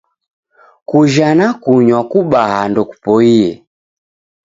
Kujha na kunywa kubaha ndokupoie.